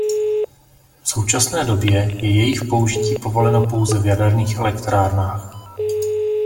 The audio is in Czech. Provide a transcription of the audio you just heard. V současné době je jejich použití povoleno pouze v jaderných elektrárnách.